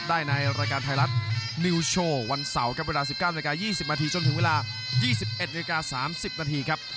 ได้ในรายการไทยรัฐนิวโชว์วันเสาร์ครับเวลา๑๙นาที๒๐นาทีจนถึงเวลา๒๑นาที๓๐นาทีครับ